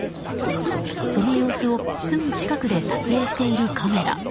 その様子をすぐ近くで撮影しているカメラ。